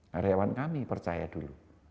karyawan kami percaya dulu